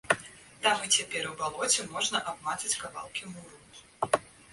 Там і цяпер у балоце можна абмацаць кавалкі муру.